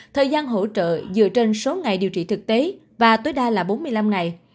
thời gian hỗ trợ dựa trên số ngày điều trị thực tế và tối đa là bốn mươi năm ngày